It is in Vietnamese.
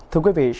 thưa quý vị